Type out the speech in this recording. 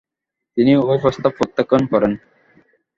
তিনি ঐ প্রস্তাব প্রত্যাখ্যান করেন।